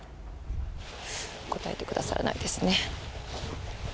答えてくださらないですね。